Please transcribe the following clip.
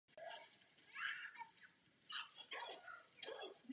Během staletí pak byla průběžně modernizována.